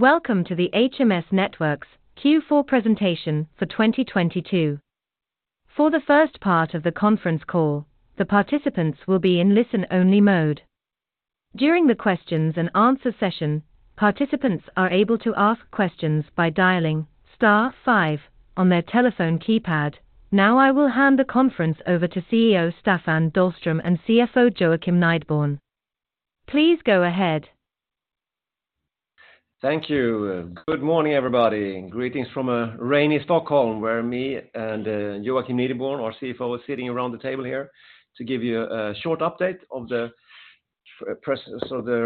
Welcome to the HMS Networks' Q4 presentation for 2022. For the first part of the conference call, the participants will be in listen-only mode. During the questions and answer session, participants are able to ask questions by dialing star five on their telephone keypad. I will hand the conference over to CEO Staffan Dahlström and CFO Joakim Nideborn. Please go ahead. Thank you. Good morning, everybody. Greetings from a rainy Stockholm where me and Joakim Nideborn, our CFO, are sitting around the table here to give you a short update of the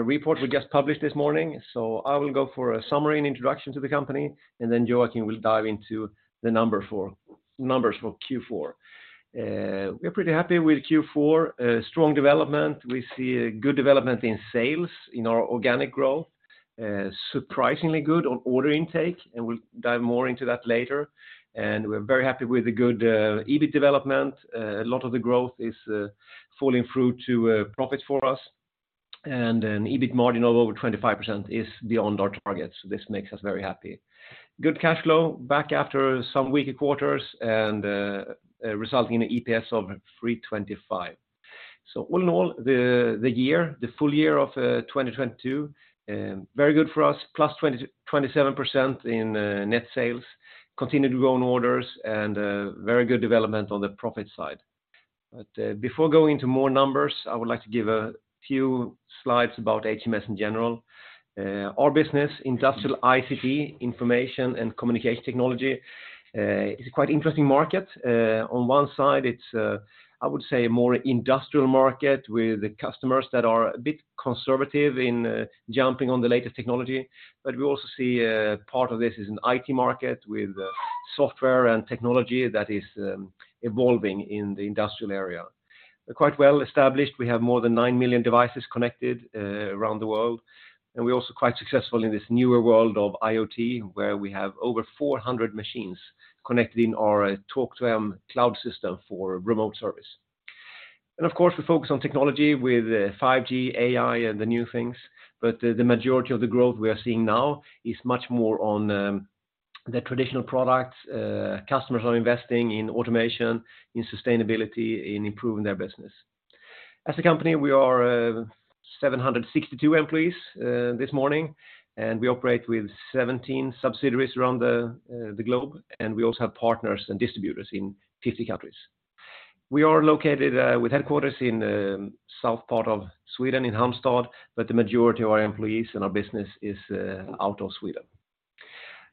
report we just published this morning. I will go for a summary and introduction to the company, and then Joakim will dive into the numbers for Q4. We're pretty happy with Q4. A strong development. We see a good development in sales in our organic growth. Surprisingly good on order intake, we'll dive more into that later. We're very happy with the good EBIT development. A lot of the growth is falling through to profits for us. An EBIT margin of over 25% is beyond our targets. This makes us very happy. Good cash flow back after some weaker quarters and resulting in an EPS of 3.25. All in all, the year, the full year of 2022, very good for us. Plus 27% in net sales, continued to grow on orders and very good development on the profit side. Before going into more numbers, I would like to give a few slides about HMS in general. Our business, Industrial ICT, Information and Communication Technology, is quite interesting market. On one side, it's, I would say more industrial market with the customers that are a bit conservative in jumping on the latest technology. We also see, part of this is an IT market with software and technology that is evolving in the industrial area. Quite well established. We have more than 9 million devices connected around the world, and we're also quite successful in this newer world of IoT, where we have over 400 machines connected in our Talk2M cloud system for remote service. Of course, we focus on technology with 5G, AI, and the new things. The majority of the growth we are seeing now is much more on the traditional products. Customers are investing in automation, in sustainability, in improving their business. As a company, we are 762 employees this morning, and we operate with 17 subsidiaries around the globe, and we also have partners and distributors in 50 countries. We are located with headquarters in south part of Sweden in Halmstad, but the majority of our employees and our business is out of Sweden.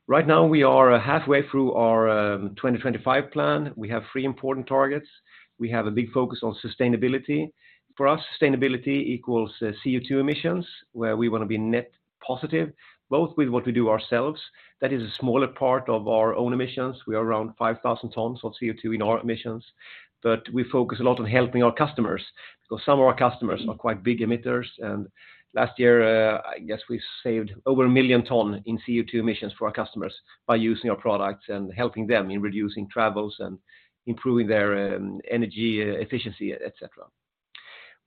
Right now, we are halfway through our 2025 plan. We have three important targets. We have a big focus on sustainability. For us, sustainability equals CO2 emissions, where we wanna be net positive, both with what we do ourselves. That is a smaller part of our own emissions. We are around 5,000 tons of CO2 in our emissions, but we focus a lot on helping our customers because some of our customers are quite big emitters. Last year, I guess we saved over 1 million tons in CO2 emissions for our customers by using our products and helping them in reducing travels and improving their energy efficiency, et cetera.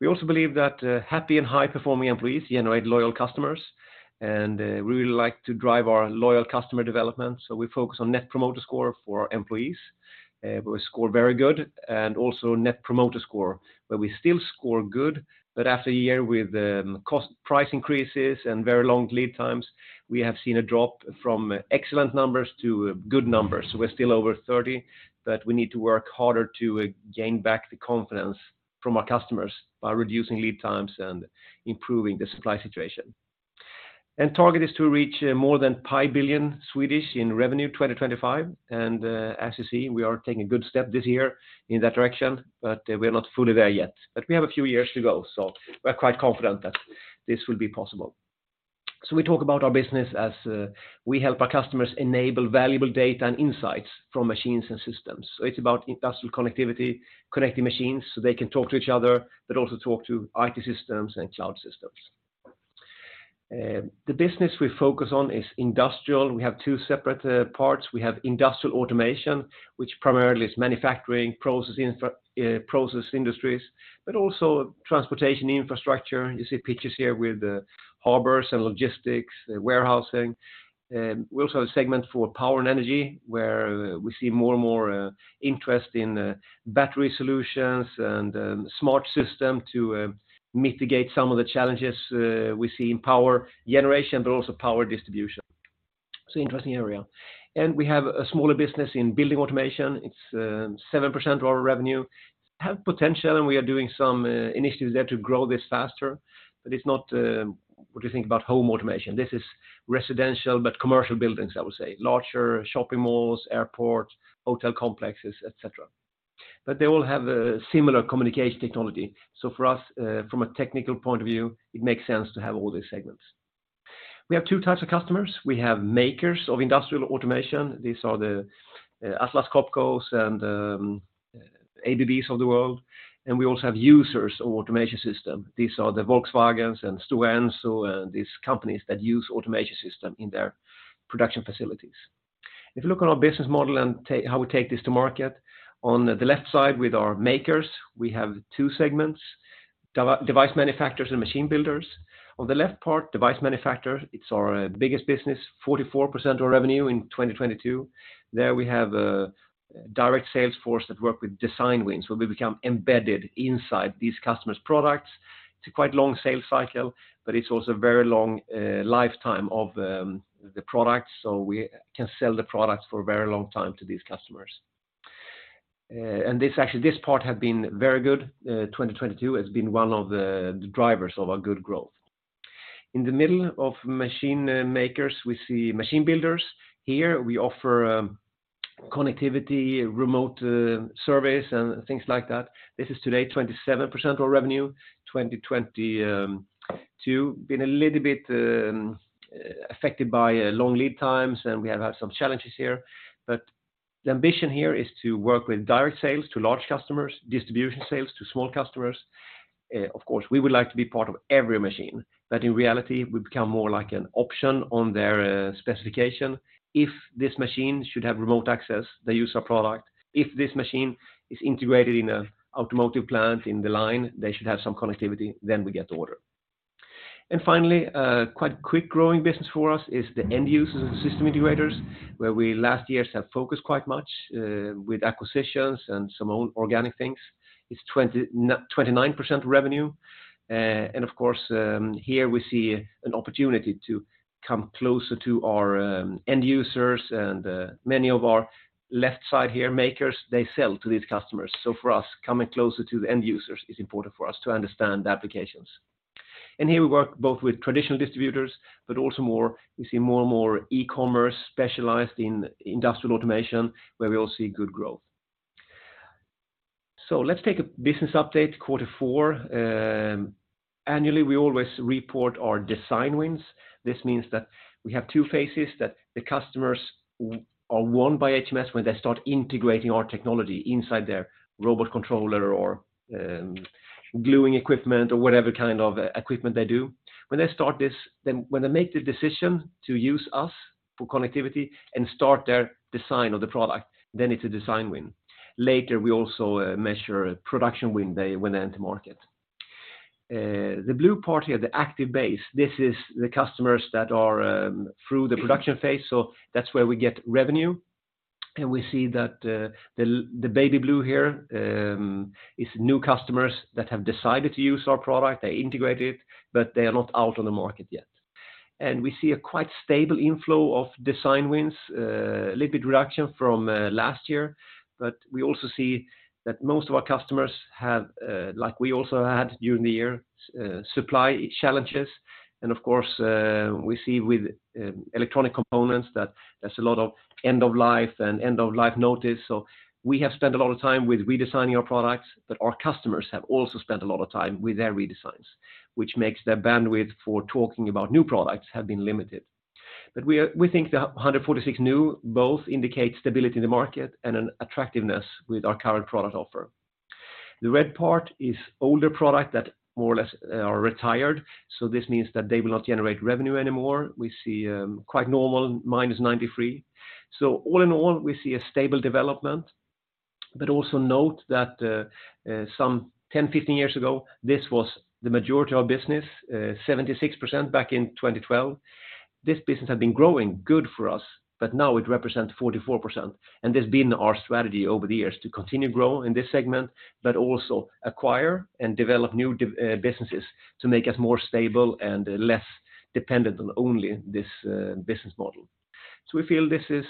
We also believe that happy and high-performing employees generate loyal customers, and we really like to drive our loyal customer development. We focus on Net Promoter Score for our employees. We score very good and also Net Promoter Score, where we still score good. After a year with cost price increases and very long lead times, we have seen a drop from excellent numbers to good numbers. We're still over 30, we need to work harder to gain back the confidence from our customers by reducing lead times and improving the supply situation. Target is to reach more than 5 billion in revenue 2025. As you see, we are taking a good step this year in that direction, we're not fully there yet. We have a few years to go, we're quite confident that this will be possible. We talk about our business as we help our customers enable valuable data and insights from machines and systems. It's about industrial connectivity, connecting machines, so they can talk to each other, but also talk to IT systems and cloud systems. The business we focus on is industrial. We have two separate parts. We have industrial automation, which primarily is manufacturing, processing process industries, but also transportation infrastructure. You see pictures here with harbors and logistics, warehousing. We also have a segment for power and energy, where we see more and more interest in battery solutions and smart system to mitigate some of the challenges we see in power generation, but also power distribution. It's an interesting area. We have a smaller business in building automation. It's 7% of our revenue. Have potential, and we are doing some initiatives there to grow this faster. It's not what you think about home automation. This is residential, but commercial buildings, I would say, larger shopping malls, airports, hotel complexes, et cetera. They all have a similar communication technology. For us, from a technical point of view, it makes sense to have all these segments. We have two types of customers. We have makers of industrial automation. These are the Atlas Copcos and ABBs of the world. We also have users of automation system. These are the Volkswagens and Stora Enso and these companies that use automation system in their production facilities. If you look on our business model and take how we take this to market, on the left side with our makers, we have two segments, device manufacturers and machine builders. On the left part, device manufacturer, it's our biggest business, 44% of our revenue in 2022. There we have a direct sales force that work with design wins, where we become embedded inside these customers' products. It's a quite long sales cycle, but it's also a very long lifetime of the product. We can sell the products for a very long time to these customers. This actually, this part has been very good. 2022 has been one of the drivers of our good growth. In the middle of machine makers, we see machine builders. Here we offer connectivity, remote service and things like that. This is today 27% of our revenue. 2022, been a little bit affected by long lead times, and we have had some challenges here. The ambition here is to work with direct sales to large customers, distribution sales to small customers. Of course, we would like to be part of every machine, but in reality, we become more like an option on their specification. If this machine should have remote access, they use our product. If this machine is integrated in an automotive plant in the line, they should have some connectivity, then we get the order. Finally, a quite quick growing business for us is the end users and system integrators, where we last years have focused quite much with acquisitions and some old organic things. It's 29% revenue. Of course, here we see an opportunity to come closer to our end users and many of our left side here makers, they sell to these customers. For us, coming closer to the end users is important for us to understand the applications. Here we work both with traditional distributors, but also more, we see more and more e-commerce specialized in industrial automation, where we all see good growth. Let's take a business update, quarter four. Annually, we always report our design wins. This means that we have two phases that the customers are won by HMS when they start integrating our technology inside their robot controller or gluing equipment or whatever kind of equipment they do. When they start this, then when they make the decision to use us for connectivity and start their design of the product, then it's a design win. Later, we also measure production win day when they enter market. The blue part here, the active base, this is the customers that are through the production phase. That's where we get revenue. We see that the baby blue here, is new customers that have decided to use our product. They integrate it, but they are not out on the market yet. We see a quite stable inflow of design wins, a little bit reduction from last year. We also see that most of our customers have, like we also had during the year, supply challenges. Of course, we see with electronic components that there's a lot of end of life and end of life notice. We have spent a lot of time with redesigning our products, but our customers have also spent a lot of time with their redesigns, which makes their bandwidth for talking about new products have been limited. We think the 146 new both indicate stability in the market and an attractiveness with our current product offer. The red part is older product that more or less are retired. This means that they will not generate revenue anymore. We see quite normal minus 93. All in all, we see a stable development. Also note that some 10, 15 years ago, this was the majority of business, 76% back in 2012. This business had been growing good for us, but now it represents 44%. This been our strategy over the years to continue grow in this segment, but also acquire and develop new businesses to make us more stable and less dependent on only this business model. We feel this is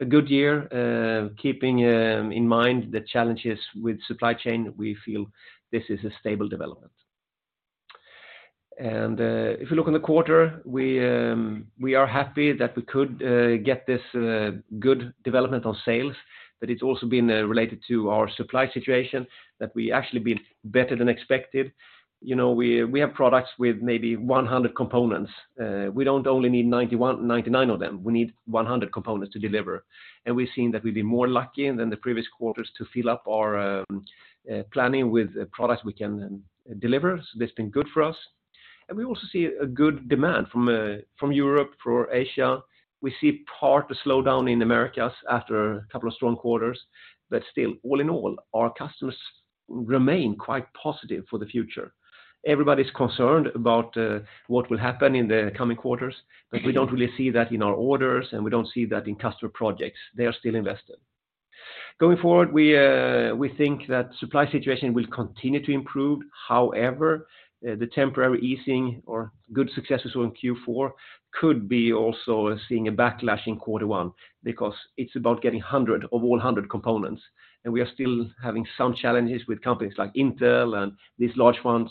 a good year, keeping in mind the challenges with supply chain. We feel this is a stable development. If you look in the quarter, we are happy that we could get this good development on sales, but it's also been related to our supply situation that we actually been better than expected. You know, we have products with maybe 100 components. We don't only need 91, 99 of them. We need 100 components to deliver. We've seen that we've been more lucky than the previous quarters to fill up our planning with products we can deliver. That's been good for us. We also see a good demand from from Europe, for Asia. We see part of the slowdown in Americas after a couple of strong quarters. Still, all in all, our customers remain quite positive for the future. Everybody's concerned about what will happen in the coming quarters, but we don't really see that in our orders, and we don't see that in customer projects. They are still invested. Going forward, we think that supply situation will continue to improve. However, the temporary easing or good successes on Q4 could be also seeing a backlash in Q1 because it's about getting 100 of all 100 components. We are still having some challenges with companies like Intel and these large ones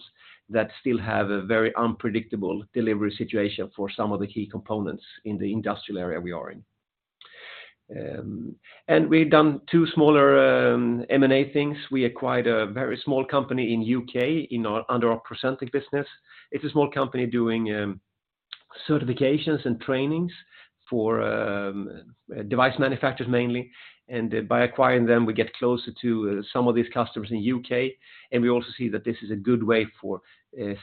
that still have a very unpredictable delivery situation for some of the key components in the industrial area we are in. We've done two smaller M&A things. We acquired a very small company in U.K. under our Procentec business. It's a small company doing certifications and trainings for device manufacturers mainly. By acquiring them, we get closer to some of these customers in U.K. We also see that this is a good way for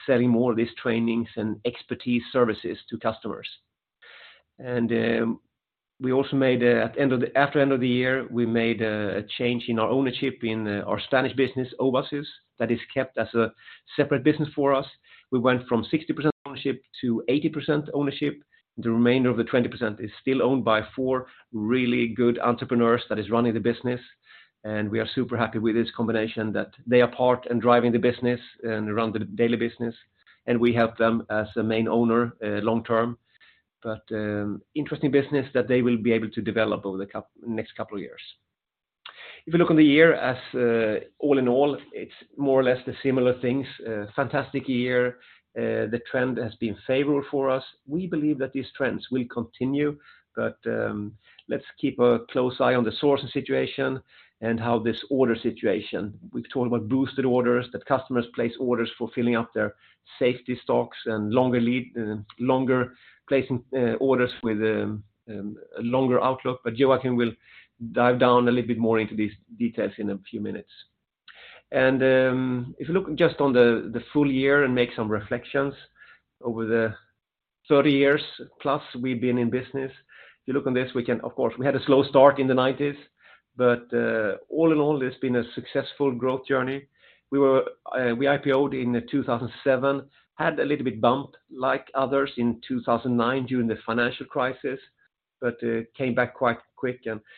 selling more of these trainings and expertise services to customers. We also made a change in our ownership in our Spanish business, Owasys, that is kept as a separate business for us. We went from 60% ownership to 80% ownership. The remainder of the 20% is still owned by four really good entrepreneurs that is running the business, and we are super happy with this combination that they are part in driving the business and run the daily business, and we help them as the main owner, long term. Interesting business that they will be able to develop over the next couple of years. If you look on the year as, all in all, it's more or less the similar things, fantastic year. The trend has been favorable for us. We believe that these trends will continue, let's keep a close eye on the sourcing situation and how this order situation. We've talked about boosted orders, that customers place orders for filling up their safety stocks and longer lead, longer placing orders with a longer outlook. Joakim will dive down a little bit more into these details in a few minutes. If you look just on the full year and make some reflections over the 30 years plus we've been in business, if you look on this, we can... Of course, we had a slow start in the nineties, all in all, it's been a successful growth journey. We were, we IPO'd in 2007, had a little bit bump like others in 2009 during the financial crisis, came back quite quick. The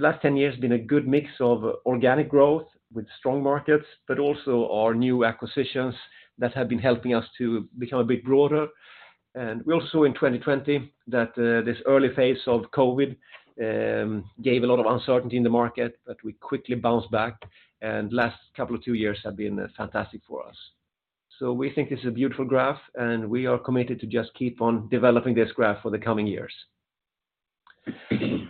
last 10 years have been a good mix of organic growth with strong markets, but also our new acquisitions that have been helping us to become a bit broader. We also in 2020 that this early phase of COVID gave a lot of uncertainty in the market, but we quickly bounced back. Last couple of two years have been fantastic for us. We think this is a beautiful graph, and we are committed to just keep on developing this graph for the coming years.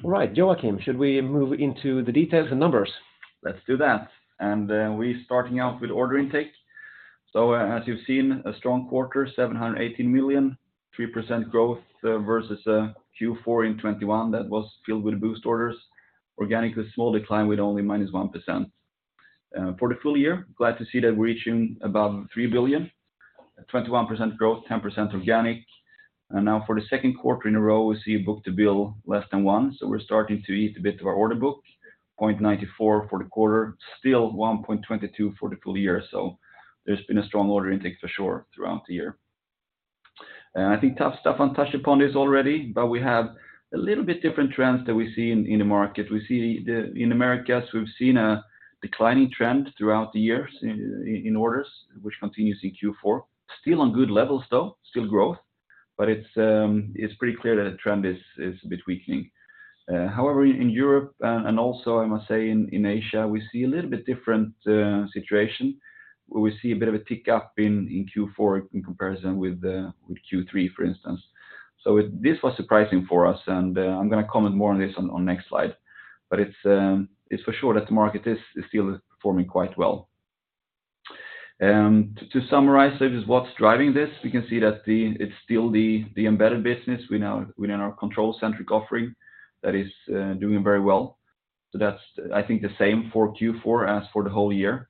Right. Joakim, should we move into the details and numbers? Let's do that. We're starting out with order intake. As you've seen, a strong quarter, 780 million, 3% growth versus Q4 in 2021 that was filled with boost orders. Organically small decline with only -1%. For the full year, glad to see that we're reaching about 3 billion, 21% growth, 10% organic. Now for the second quarter in a row, we see book-to-bill less than 1, we're starting to eat a bit of our order book, 0.94 for the quarter, still 1.22 for the full year. There's been a strong order intake for sure throughout the year.I think Staffan touched upon this already, but we have a little bit different trends that we see in the market. We see the, in Americas, we've seen a declining trend throughout the years in orders, which continues in Q4. Still on good levels, though, still growth, but it's pretty clear that the trend is a bit weakening. However, in Europe, and also I must say in Asia, we see a little bit different situation, where we see a bit of a tick up in Q4 in comparison with Q3, for instance. This was surprising for us, and I'm gonna comment more on this on next slide. It's for sure that the market is still performing quite well. To summarize it, what's driving this, we can see that it's still the embedded business within our Control Centric offering that is doing very well. That's I think the same for Q4 as for the whole year.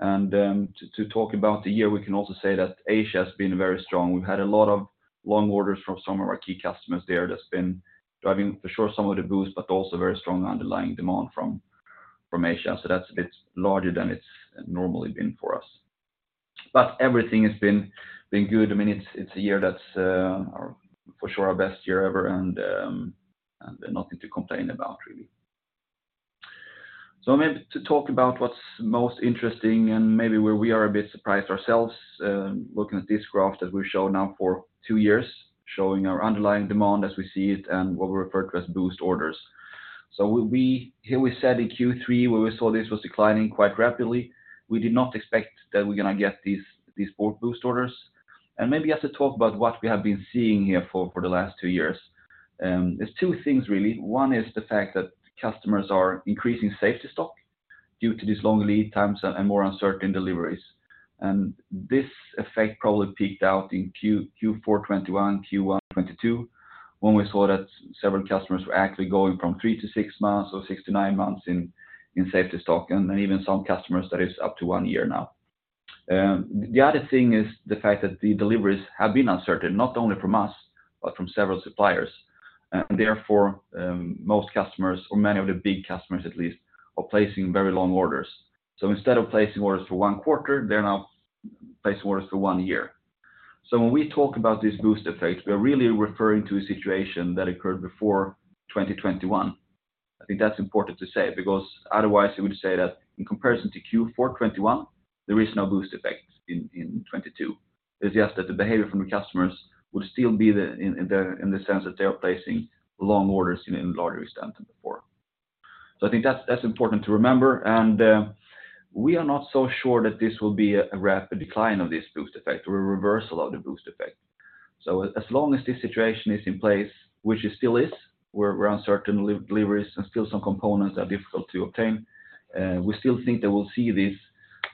To talk about the year, we can also say that Asia has been very strong. We've had a lot of long orders from some of our key customers there that's been driving for sure some of the boost, but also very strong underlying demand from Asia. That's a bit larger than it's normally been for us. Everything has been good. I mean, it's a year that's for sure our best year ever and nothing to complain about, really. Maybe to talk about what's most interesting and maybe where we are a bit surprised ourselves, looking at this graph that we've shown now for two years, showing our underlying demand as we see it and what we refer to as boost orders. We here said in Q3, where we saw this was declining quite rapidly, we did not expect that we're gonna get these both boost orders. Maybe I have to talk about what we have been seeing here for the last two years. There's two things really. One is the fact that customers are increasing safety stock due to these long lead times and more uncertain deliveries. This effect probably peaked out in Q4 2021, Q1 2022, when we saw that several customers were actually going from 3-6 months or 6-9 months in safety stock, and even some customers that is up to 1 year now. The other thing is the fact that the deliveries have been uncertain, not only from us, but from several suppliers. Therefore, most customers or many of the big customers at least are placing very long orders. Instead of placing orders for 1 quarter, they're now placing orders for one year. When we talk about this boost effect, we are really referring to a situation that occurred before 2021. I think that's important to say because otherwise we would say that in comparison to Q4 2021, there is no boost effect in 2022. It's just that the behavior from the customers will still be in the sense that they are placing long orders in larger extent than before. I think that's important to remember. We are not so sure that this will be a rapid decline of this boost effect or a reversal of the boost effect. As long as this situation is in place, which it still is, we're uncertain de-deliveries and still some components are difficult to obtain, we still think that we'll see these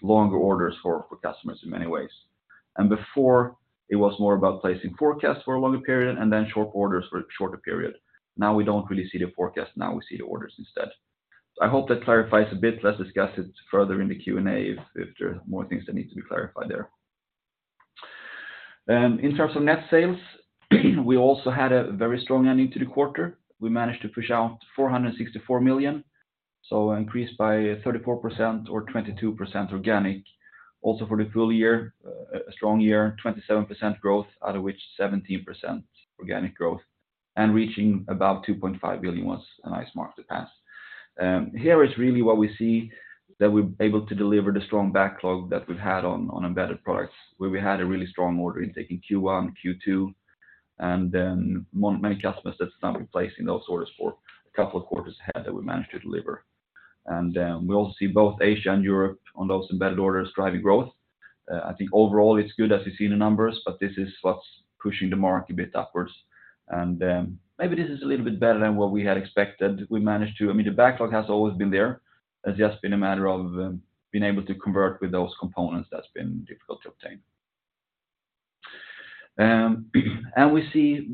longer orders for customers in many ways. Before, it was more about placing forecasts for a longer period and then short orders for a shorter period. Now we don't really see the forecast, now we see the orders instead. I hope that clarifies a bit. Let's discuss it further in the Q&A if there are more things that need to be clarified there. In terms of net sales, we also had a very strong ending to the quarter. We managed to push out 464 million, so increased by 34% or 22% organic. For the full year, a strong year, 27% growth, out of which 17% organic growth, reaching about 2.5 billion was a nice mark to pass. Here is really what we see that we're able to deliver the strong backlog that we've had on embedded products, where we had a really strong order intake in Q1, Q2, many customers that started placing those orders for a couple of quarters ahead that we managed to deliver. We all see both Asia and Europe on those embedded orders driving growth. I think overall it's good as you see the numbers, this is what's pushing the market a bit upwards. Maybe this is a little bit better than what we had expected. I mean, the backlog has always been there. It's just been a matter of being able to convert with those components that's been difficult to obtain. We see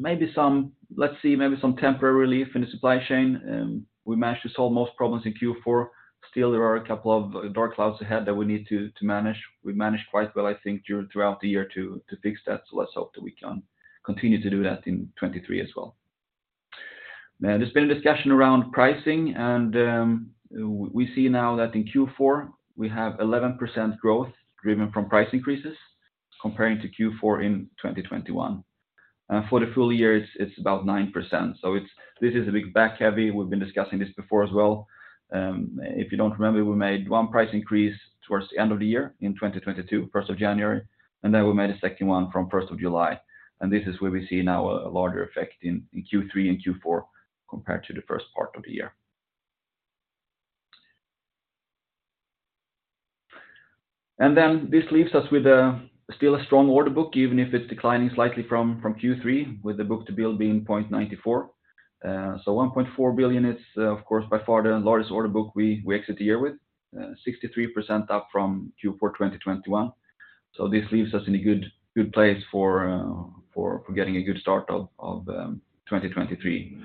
let's see maybe some temporary relief in the supply chain. We managed to solve most problems in Q4. Still, there are a couple of dark clouds ahead that we need to manage. We managed quite well, I think, during throughout the year to fix that, so let's hope that we can continue to do that in 2023 as well. There's been a discussion around pricing, and we see now that in Q4, we have 11% growth driven from price increases comparing to Q4 in 2021. For the full year it's about 9%. This is a bit back heavy. We've been discussing this before as well. If you don't remember, we made one price increase towards the end of the year in 2022, January 1st, and then we made a 2nd one from July 1st. This is where we see now a larger effect in Q3 and Q4 compared to the 1st part of the year. This leaves us with a still a strong order book, even if it's declining slightly from Q3, with the book-to-bill being 0.94. 1.4 billion is, of course, by far the largest order book we exit the year with, 63% up from Q4 2021. This leaves us in a good place for getting a good start of 2023,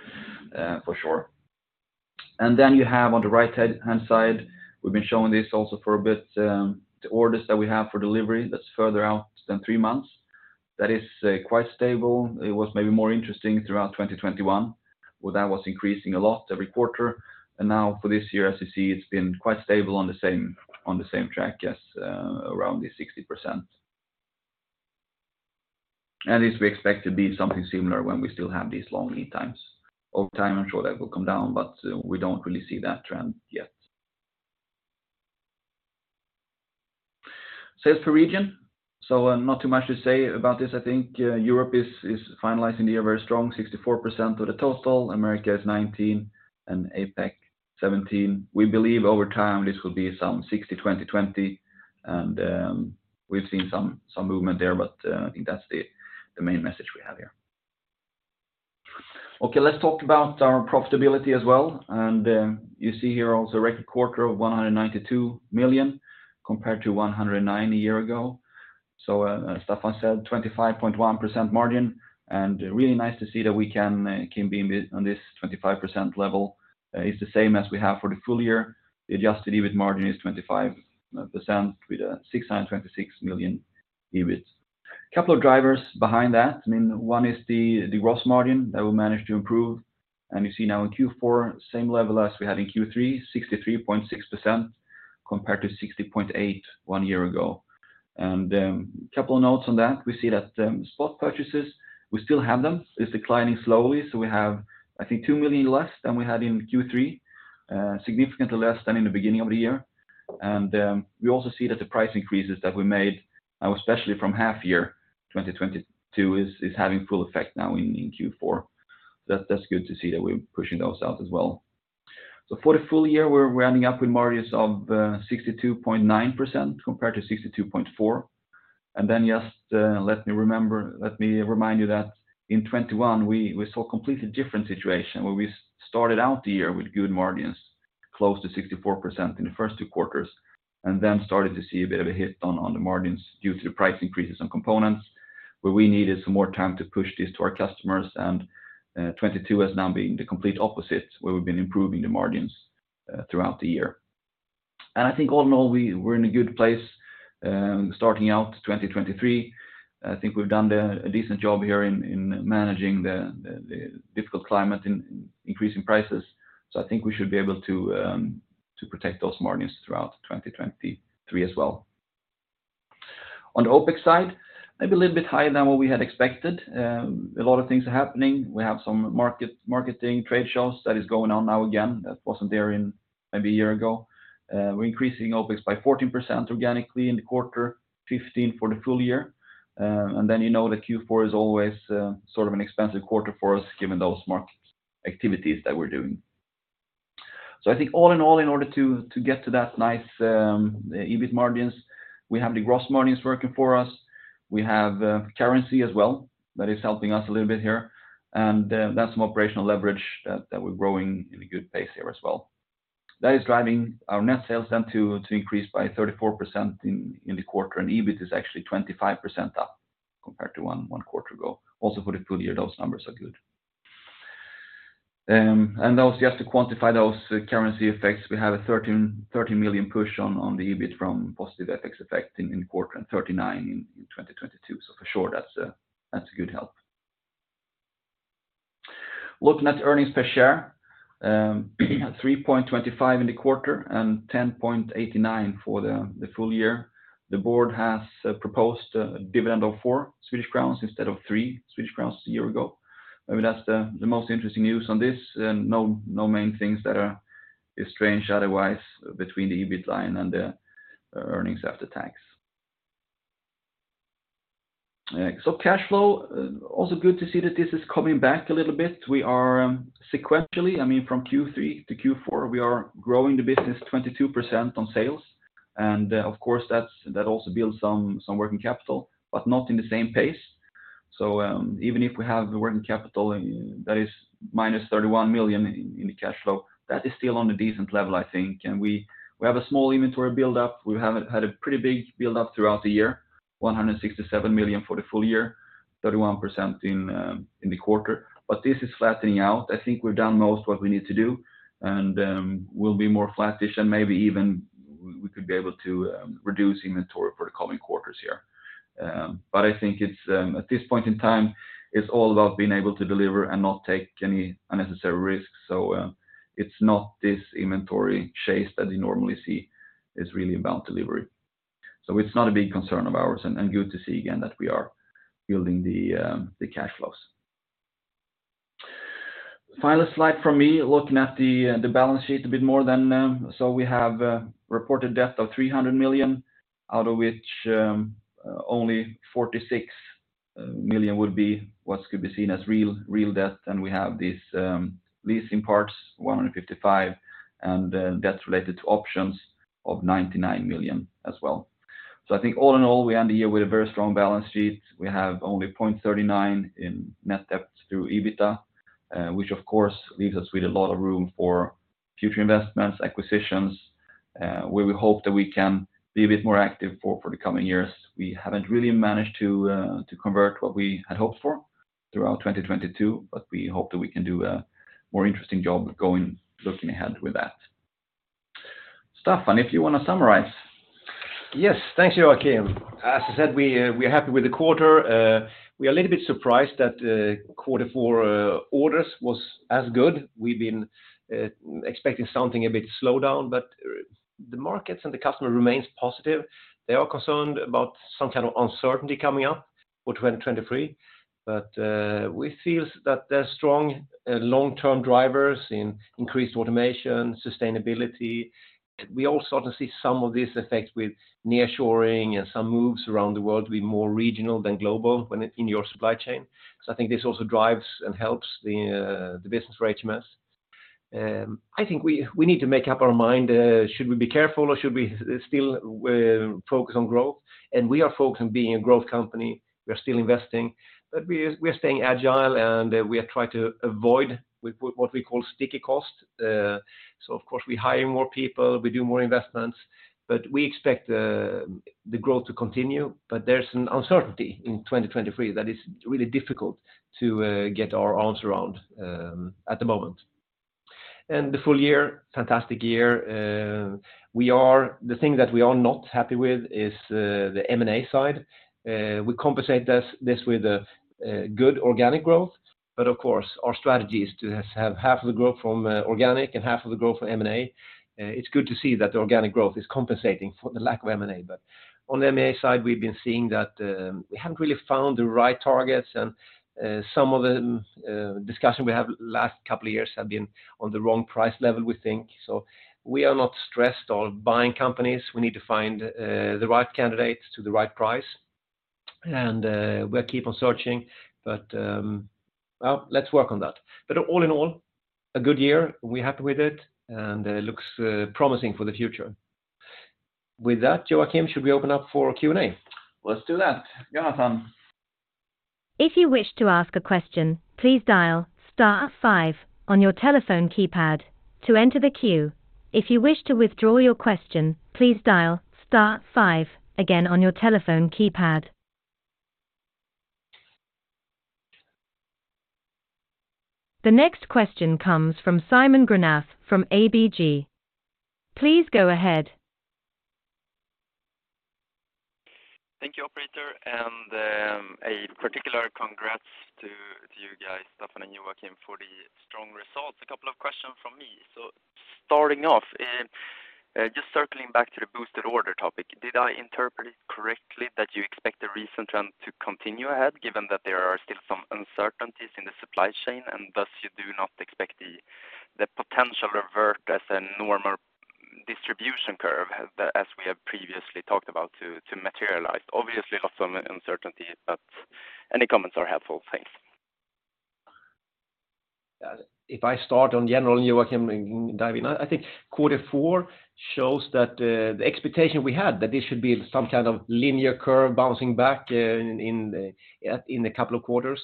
for sure. You have on the right hand side, we've been showing this also for a bit, the orders that we have for delivery that's further out than three months. That is quite stable. It was maybe more interesting throughout 2021, where that was increasing a lot every quarter. For this year, as you see, it's been quite stable on the same, on the same track as around the 60%. This we expect to be something similar when we still have these long lead times. Over time, I'm sure that will come down, but we don't really see that trend yet. Sales per region. Not too much to say about this. I think Europe is finalizing the year very strong, 64% of the total. America is 19, and APAC 17. We believe over time, this will be some 60, 20. We've seen some movement there, but I think that's the main message we have here. Okay, let's talk about our profitability as well. You see here also record quarter of 192 million compared to 109 a year ago. As Staffan said, 25.1% margin, and really nice to see that we can be on this 25% level. It's the same as we have for the full year. The adjusted EBIT margin is 25% with 626 million EBIT. Couple of drivers behind that. I mean, one is the gross margin that we managed to improve. You see now in Q4, same level as we had in Q3, 63.6% compared to 60.8% 1 year ago. A couple of notes on that. We see that spot purchases, we still have them. It's declining slowly, so we have, I think, 2 million less than we had in Q3, significantly less than in the beginning of the year. We also see that the price increases that we made, especially from half year 2022, is having full effect now in Q4. That's good to see that we're pushing those out as well. For the full year, we're ending up with margins of 62.9% compared to 62.4%. Just let me remind you that in 2021, we saw a completely different situation where we started out the year with good margins, close to 64% in the first two quarters, then started to see a bit of a hit on the margins due to the price increases on components, where we needed some more time to push this to our customers. 2022 has now been the complete opposite, where we've been improving the margins throughout the year. All in all, we're in a good place starting out 2023. We've done a decent job here in managing the difficult climate in increasing prices. We should be able to protect those margins throughout 2023 as well. On the OpEx side, maybe a little bit higher than what we had expected. A lot of things are happening. We have some marketing trade shows that is going on now again, that wasn't there in maybe a year ago. We're increasing OpEx by 14% organically in the quarter, 15% for the full year. You know that Q4 is always, sort of an expensive quarter for us given those market activities that we're doing. I think all in all, in order to get to that nice, EBIT margins, we have the gross margins working for us. We have currency as well that is helping us a little bit here. That's some operational leverage that we're growing in a good pace here as well. That is driving our net sales to increase by 34% in the quarter. EBIT is actually 25% up compared to one quarter ago. Also for the full year, those numbers are good. Just to quantify those currency effects, we have a 30 million push on the EBIT from positive FX effect in quarter and 39 million in 2022. For sure that's a good help. Looking at earnings per share, 3.25 in the quarter and 10.89 for the full year. The board has proposed a dividend of 4 Swedish crowns instead of 3 Swedish crowns a year ago. I mean, that's the most interesting news on this. No main things that are strange otherwise between the EBIT line and the earnings after tax. Cash flow, also good to see that this is coming back a little bit. We are sequentially, I mean, from Q3 to Q4, we are growing the business 22% on sales. Of course, that also builds some working capital, but not in the same pace. Even if we have the working capital that is -31 million in the cash flow, that is still on a decent level, I think. We have a small inventory buildup. We have had a pretty big buildup throughout the year, 167 million for the full year, 31% in the quarter. This is flattening out. I think we've done most what we need to do, and we'll be more flattish and maybe even we could be able to reduce inventory for the coming quarters here. But I think it's at this point in time, it's all about being able to deliver and not take any unnecessary risks. It's not this inventory chase that you normally see is really about delivery. It's not a big concern of ours and good to see again that we are building the cash flows. Final slide from me, looking at the balance sheet a bit more than. We have reported debt of 300 million, out of which only 46 million would be what could be seen as real debt. And we have these leasing parts, 155 million, and debts related to options of 99 million as well. I think all in all, we end the year with a very strong balance sheet. We have only 0.39 in net debt through EBITDA, which of course leaves us with a lot of room for future investments, acquisitions. Where we hope that we can be a bit more active for the coming years. We haven't really managed to convert what we had hoped for throughout 2022, but we hope that we can do a more interesting job going, looking ahead with that. Staffan, if you want to summarize. Yes. Thank you, Joakim. As I said, we are happy with the quarter. We are a little bit surprised that quarter four orders was as good. We've been expecting something a bit slowdown, but the markets and the customer remains positive. They are concerned about some kind of uncertainty coming up for 2023. We feel that there are strong long-term drivers in increased automation, sustainability. We also start to see some of these effects with nearshoring and some moves around the world to be more regional than global in your supply chain. I think this also drives and helps the business for HMS. I think we need to make up our mind, should we be careful or should we still focus on growth? We are focused on being a growth company. We are still investing, but we are staying agile, and we are trying to avoid with what we call sticky cost. Of course, we hire more people, we do more investments, but we expect the growth to continue. There's an uncertainty in 2023 that is really difficult to get our arms around at the moment. The full year, fantastic year. The thing that we are not happy with is the M&A side. We compensate this with a good organic growth. Of course, our strategy is to have half of the growth from organic and half of the growth from M&A. It's good to see that the organic growth is compensating for the lack of M&A. On the M&A side, we've been seeing that we haven't really found the right targets. Some of the discussion we have last couple of years have been on the wrong price level, we think. We are not stressed on buying companies. We need to find the right candidates to the right price. We'll keep on searching. Well, let's work on that. All in all, a good year. We're happy with it, and looks promising for the future. With that, Joakim, should we open up for Q&A? Let's do that. Jonathan. If you wish to ask a question, please dial star five on your telephone keypad to enter the queue. If you wish to withdraw your question, please dial star five again on your telephone keypad. The next question comes from Simon Granath from ABG. Please go ahead. Thank you, operator. A particular congrats to you guys, Staffan and Joakim, for the strong results. A couple of questions from me. Starting off, just circling back to the boosted order topic, did I interpret it correctly that you expect the recent trend to continue ahead, given that there are still some uncertainties in the supply chain, and thus you do not expect the potential revert as a normal distribution curve as we have previously talked about to materialize? Obviously, lots of uncertainties, but any comments are helpful. Thanks. If I start on general and you are coming, dive in. I think quarter four shows that the expectation we had that this should be some kind of linear curve bouncing back in a couple of quarters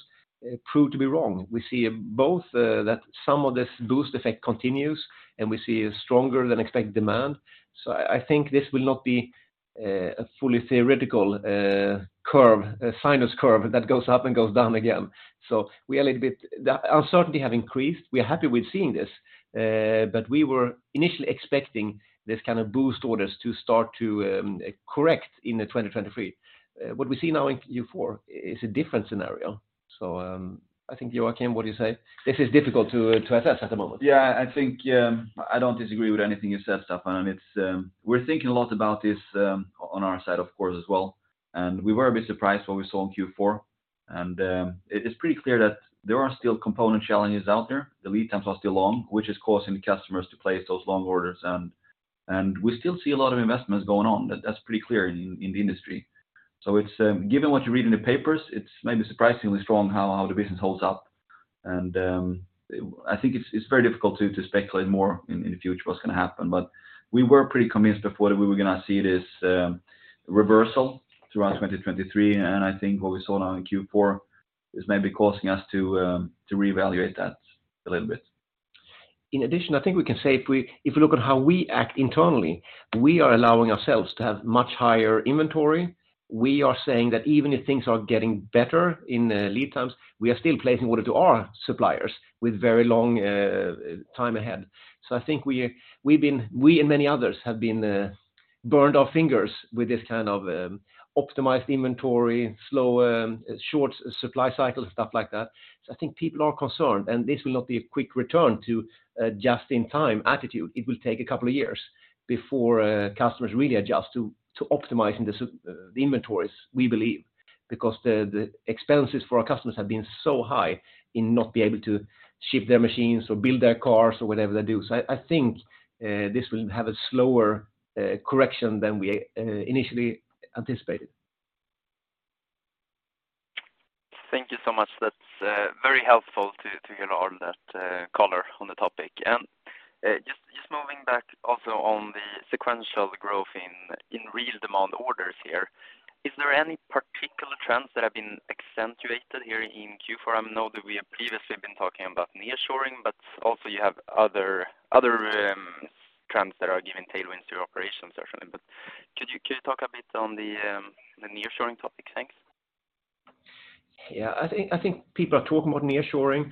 proved to be wrong. We see both that some of this boost effect continues, and we see a stronger than expected demand. I think this will not be a fully theoretical curve, sinus curve that goes up and goes down again. We are a little bit. The uncertainty have increased. We are happy with seeing this, but we were initially expecting this kind of boost orders to start to correct in 2023. What we see now in Q4 is a different scenario. I think Joakim, what do you say? This is difficult to assess at the moment. Yeah, I think, I don't disagree with anything you said, Staffan. It's, We're thinking a lot about this, on our side, of course, as well. We were a bit surprised what we saw in Q4. It's pretty clear that there are still component challenges out there. The lead times are still long, which is causing customers to place those long orders. We still see a lot of investments going on. That's pretty clear in the industry. It's, given what you read in the papers, it's maybe surprisingly strong how the business holds up. I think it's very difficult to speculate more in the future what's going to happen. We were pretty convinced before that we were going to see this, reversal throughout 2023. I think what we saw now in Q4 is maybe causing us to reevaluate that a little bit. In addition, I think we can say if we, if we look at how we act internally, we are allowing ourselves to have much higher inventory. We are saying that even if things are getting better in lead times, we are still placing orders to our suppliers with very long time ahead. I think we and many others have been burned our fingers with this kind of optimized inventory, slow, short supply cycle, stuff like that. I think people are concerned, and this will not be a quick return to a just-in-time attitude. It will take a couple of years before customers really adjust to optimizing the inventories, we believe, because the expenses for our customers have been so high in not being able to ship their machines or build their cars or whatever they do. I think this will have a slower correction than we initially anticipated. Thank you so much. That's very helpful to hear all that color on the topic. Just moving back also on the sequential growth in real demand orders here. Is there any particular trends that have been accentuated here in Q4? I know that we have previously been talking about nearshoring, but also you have other trends that are giving tailwinds to your operations, certainly. Could you talk a bit on the nearshoring topic? Thanks. Yeah. I think people are talking about nearshoring.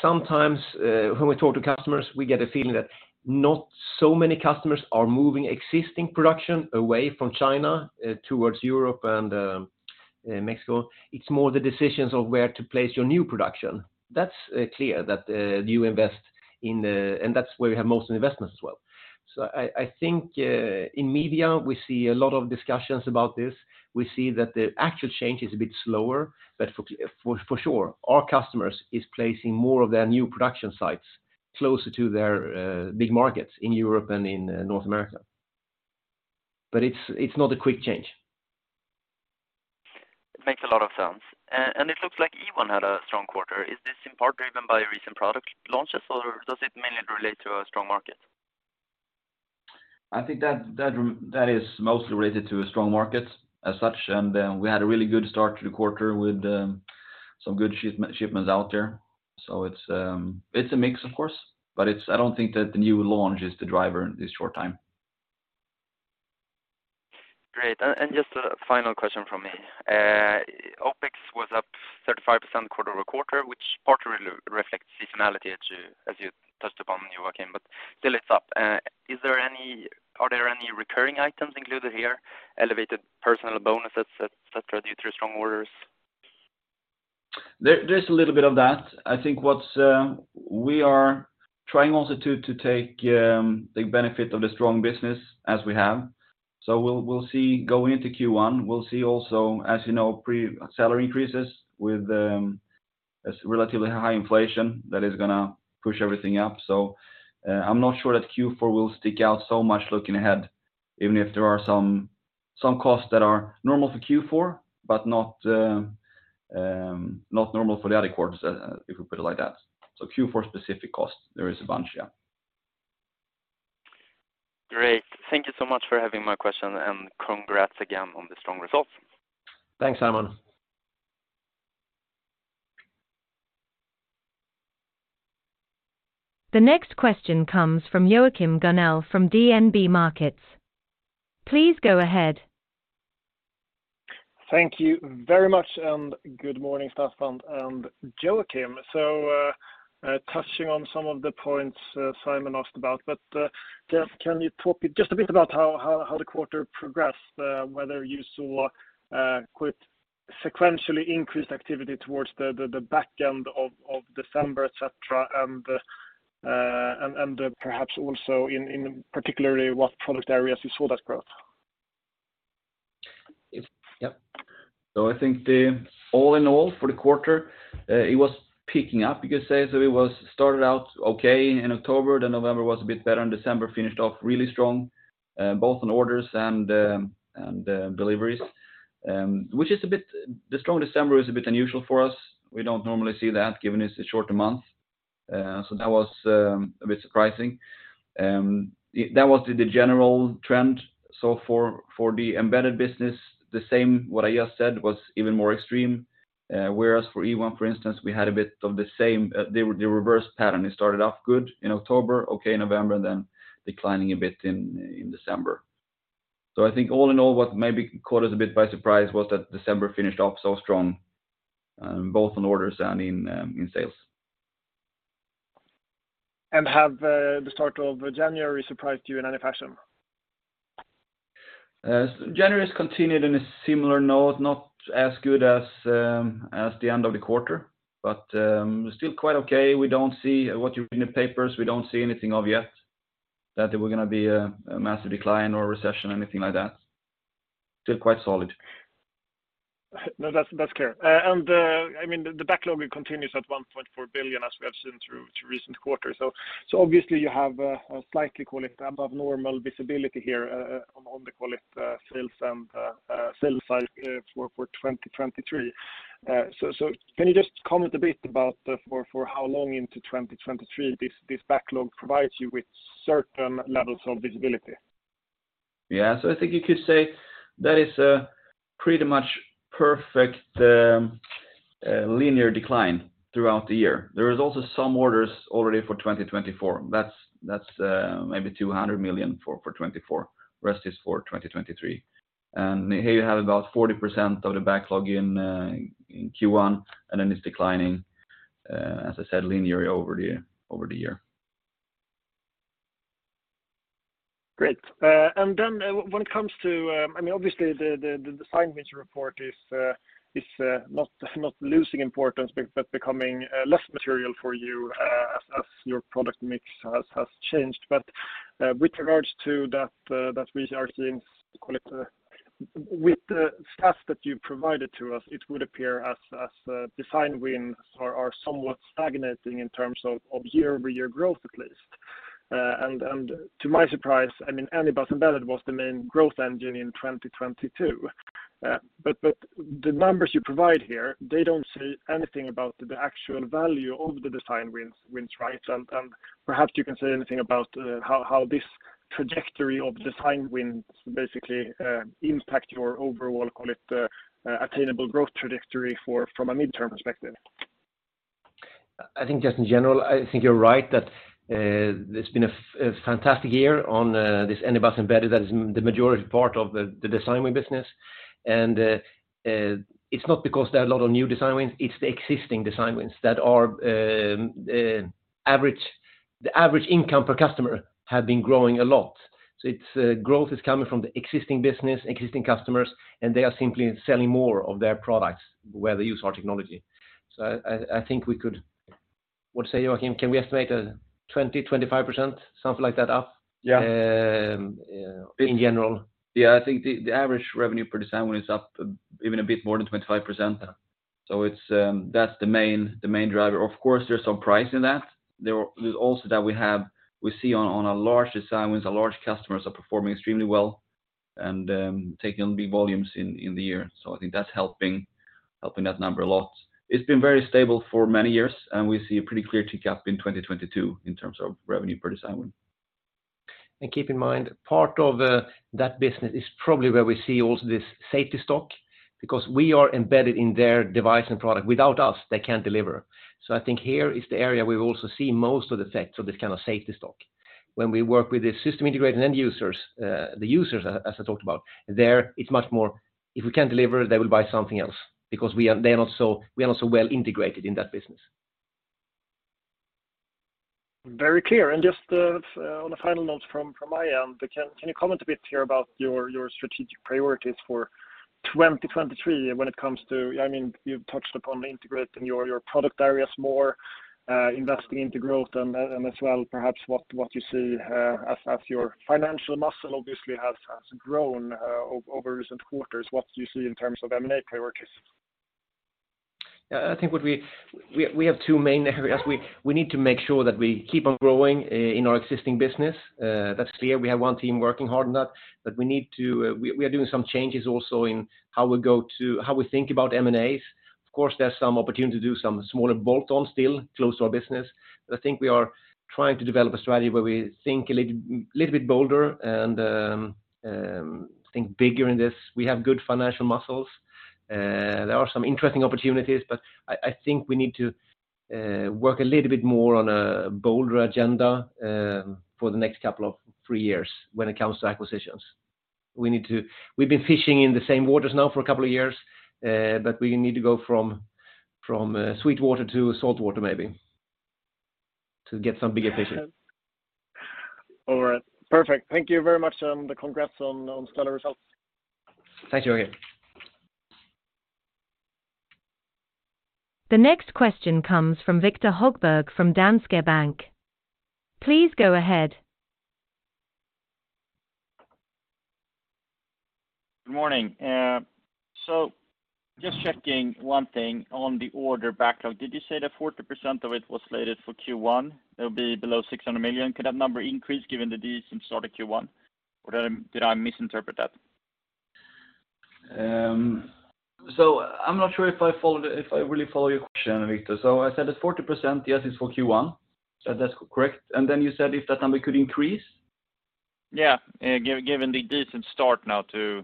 Sometimes, when we talk to customers, we get a feeling that not so many customers are moving existing production away from China, towards Europe and Mexico. It's more the decisions of where to place your new production. That's clear that you invest in, and that's where we have most investments as well. I think in media, we see a lot of discussions about this. We see that the actual change is a bit slower, but for sure, our customers is placing more of their new production sites closer to their big markets in Europe and in North America. It's not a quick change. It makes a lot of sense. It looks like Ewon had a strong quarter. Is this in part driven by recent product launches, or does it mainly relate to a strong market? I think that is mostly related to a strong market as such. We had a really good start to the quarter with, some good shipments out there. It's a mix, of course, but it's, I don't think that the new launch is the driver this short time. Great. Just a final question from me. OpEx was up 35% quarter-over-quarter, which partly reflects seasonality as you touched upon, Joakim, but still it's up. Are there any recurring items included here, elevated personal bonuses, et cetera, due to strong orders? There's a little bit of that. I think what's. We are trying also to take the benefit of the strong business as we have. We'll see going into Q1, we'll see also, as you know, salary increases with a relatively high inflation that is gonna push everything up. I'm not sure that Q4 will stick out so much looking ahead, even if there are some costs that are normal for Q4, but not normal for the other quarters, if we put it like that. Q4 specific costs, there is a bunch, yeah. Great. Thank you so much for having my question, and congrats again on the strong results. Thanks, Simon. The next question comes from Joachim Gunell from DNB Markets. Please go ahead. Thank you very much, and good morning, Staffan and Joakim. Touching on some of the points Simon asked about, but just can you talk just a bit about how the quarter progressed, whether you saw quite sequentially increased activity towards the back end of December, et cetera, and perhaps also in particularly what product areas you saw that growth? I think the all in all for the quarter, it was picking up, you could say. It was started out okay in October, November was a bit better, December finished off really strong, both on orders and deliveries. The strong December is a bit unusual for us. We don't normally see that given it's a shorter month. That was a bit surprising. That was the general trend. For the embedded business, the same, what I just said was even more extreme. Whereas for Ewon, for instance, we had a bit of the same, the reverse pattern. It started off good in October, okay in November, declining a bit in December. I think all in all, what maybe caught us a bit by surprise was that December finished off so strong, both on orders and in sales. Have, the start of January surprised you in any fashion? January has continued in a similar note, not as good as as the end of the quarter, but still quite okay. We don't see what you read in the papers. We don't see anything of yet that there were gonna be massive decline or recession or anything like that. Still quite solid. No, that's clear. I mean, the backlog continues at 1.4 billion as we have seen through recent quarters. Obviously you have a slightly call it above normal visibility here on the call it sales and sales side for 2023. Can you just comment a bit about for how long into 2023 this backlog provides you with certain levels of visibility? Yeah. I think you could say that is a pretty much perfect linear decline throughout the year. There is also some orders already for 2024. That's maybe 200 million for 2024. Rest is for 2023. Here you have about 40% of the backlog in Q1, and then it's declining, as I said, linearly over the year. Great. When it comes to, I mean, obviously the design wins report is not losing importance, but becoming less material for you, as your product mix has changed. With regards to that we are seeing call it, with the stats that you provided to us, it would appear as design wins are somewhat stagnating in terms of year-over-year growth at least. To my surprise, I mean, Anybus Embedded was the main growth engine in 2022. The numbers you provide here, they don't say anything about the actual value of the design wins, right? Perhaps you can say anything about, how this trajectory of design wins basically, impact your overall, call it, attainable growth trajectory from a midterm perspective. I think just in general, I think you're right that it's been a fantastic year on this Anybus Embedded. That is the majority part of the design win business. It's not because there are a lot of new design wins, it's the existing design wins that are average. The average income per customer have been growing a lot. It's growth is coming from the existing business, existing customers, and they are simply selling more of their products where they use our technology. I think we could... What say, Joachim Gunell, can we estimate a 20%-25%, something like that up? Yeah. In general. I think the average revenue per design win is up even a bit more than 25%. That's the main driver. Of course, there's some price in that. Also that we have, we see on our large design wins, our large customers are performing extremely well and taking on big volumes in the year. I think that's helping that number a lot. It's been very stable for many years, and we see a pretty clear tick up in 2022 in terms of revenue per design win. Keep in mind, part of that business is probably where we see also this safety stock because we are embedded in their device and product. Without us, they can't deliver. I think here is the area we've also seen most of the effects of this kind of safety stock. When we work with the system integrator and end users, the users, as I talked about, there it's much more if we can't deliver, they will buy something else because they are not so, we are not so well integrated in that business. Very clear. Just on a final note from my end, can you comment a bit here about your strategic priorities for 2023 when it comes to, I mean, you've touched upon integrating your product areas more, investing into growth and as well perhaps what you see as your financial muscle obviously has grown over recent quarters. What do you see in terms of M&A priorities? I think we have two main areas. We need to make sure that we keep on growing in our existing business. That's clear. We have one team working hard on that, we need to, we are doing some changes also in how we go to, how we think about M&As. Of course, there's some opportunity to do some smaller bolt-on still close to our business. I think we are trying to develop a strategy where we think a little bit bolder and think bigger in this. We have good financial muscles. There are some interesting opportunities, I think we need to work a little bit more on a bolder agenda for the next couple of three years when it comes to acquisitions. We need to... We've been fishing in the same waters now for a couple of years, but we need to go from sweet water to salt water maybe to get some bigger fish in. All right. Perfect. Thank you very much. Congrats on stellar results. Thank you, Joakim. The next question comes from Victor Högberg from Danske Bank. Please go ahead. Good morning. Just checking one thing on the order backlog. Did you say that 40% of it was slated for Q1? That would be below 600 million. Could that number increase given the decent start of Q1? Or did I misinterpret that? I'm not sure if I really follow your question, Victor. I said that 40%, yes, it's for Q1. That's correct. Then you said if that number could increase? Yeah. Given the decent start now to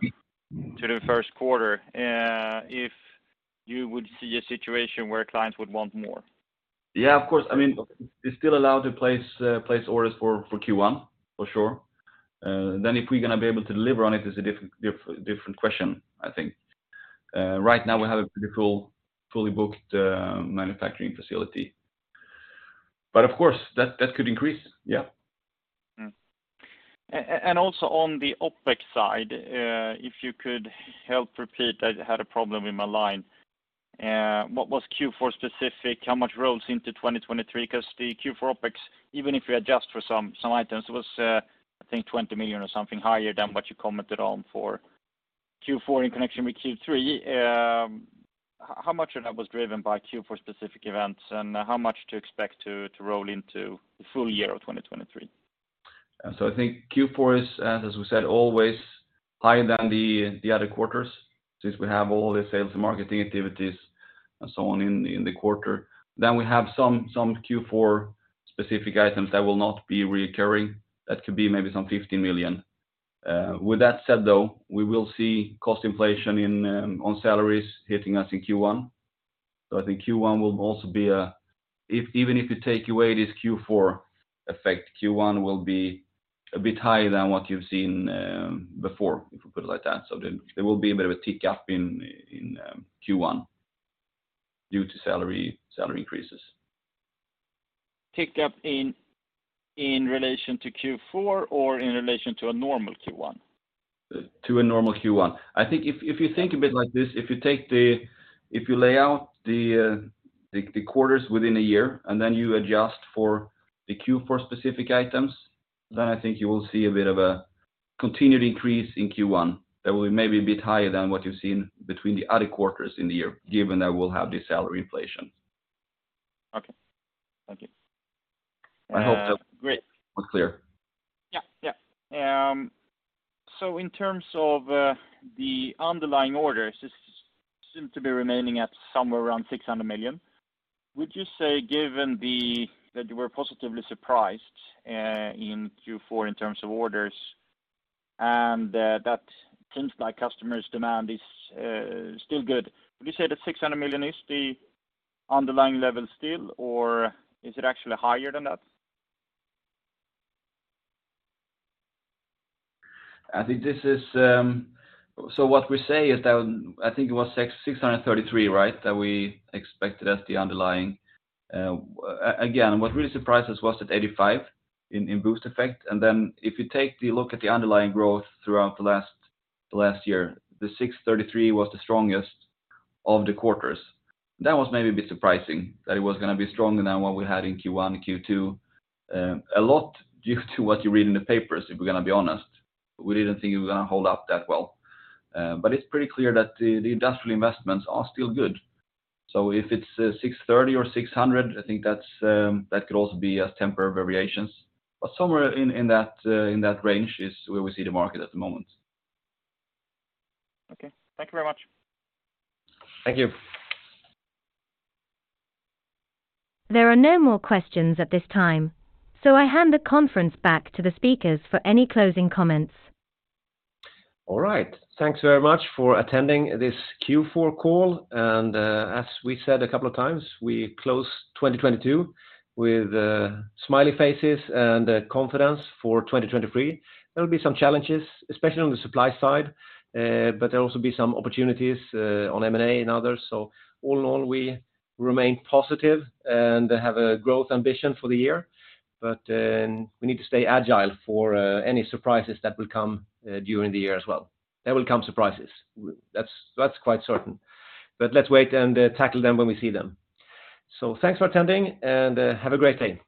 the first quarter, if you would see a situation where clients would want more. Yeah, of course. I mean, they still allow to place orders for Q1, for sure. If we're gonna be able to deliver on it is a different question, I think. Right now we have a pretty cool, fully booked manufacturing facility. Of course, that could increase. Yeah. Also on the OpEx side, if you could help repeat, I had a problem with my line. What was Q4 specific? How much rolls into 2023? The Q4 OpEx, even if you adjust for some items, was, I think 20 million or something higher than what you commented on for Q4 in connection with Q3. How much of that was driven by Q4 specific events, and how much to expect to roll into the full year of 2023? I think Q4 is, as we said, always higher than the other quarters, since we have all the sales and marketing activities and so on in the quarter. We have some Q4 specific items that will not be reoccurring. That could be maybe 50 million. With that said, though, we will see cost inflation on salaries hitting us in Q1. I think Q1 will also be if even if you take away this Q4 effect, Q1 will be a bit higher than what you've seen before, if we put it like that. There will be a bit of a tick up in Q1 due to salary increases. Tick up in relation to Q4 or in relation to a normal Q1? To a normal Q1. I think if you think a bit like this, if you lay out the quarters within a year and you adjust for the Q4 specific items, I think you will see a bit of a continued increase in Q1 that will be maybe a bit higher than what you've seen between the other quarters in the year, given that we'll have the salary inflation. Okay. Thank you. I hope. Great. was clear. Yeah. Yeah. In terms of the underlying orders, this seem to be remaining at somewhere around 600 million. Would you say given that you were positively surprised in Q4 in terms of orders, and that seems like customers' demand is still good. Would you say the 600 million is the underlying level still, or is it actually higher than that? I think this is. What we say is that, I think it was 633, right? That we expected as the underlying. Again, what really surprised us was that 85 in boost effect. If you take the look at the underlying growth throughout the last year, the 633 was the strongest of the quarters. That was maybe a bit surprising that it was gonna be stronger than what we had in Q1 and Q2. A lot due to what you read in the papers, if we're gonna be honest. We didn't think it was gonna hold up that well. It's pretty clear that the industrial investments are still good. If it's 630 or 600, I think that's that could also be as temporary variations. Somewhere in that, in that range is where we see the market at the moment. Okay. Thank you very much. Thank you. There are no more questions at this time. I hand the conference back to the speakers for any closing comments. All right. Thanks very much for attending this Q4 call. As we said a couple of times, we close 2022 with smiley faces and confidence for 2023. There'll be some challenges, especially on the supply side, but there'll also be some opportunities on M&A and others. All in all, we remain positive and have a growth ambition for the year. We need to stay agile for any surprises that will come during the year as well. There will come surprises. That's quite certain. Let's wait and tackle them when we see them. Thanks for attending, and have a great day. Thank you.